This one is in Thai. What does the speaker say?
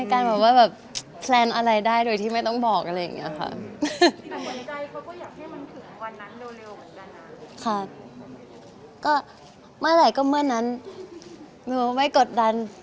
ก็เมื่อไหร่ก็เมื่อนั้นหนูไม่กดดัน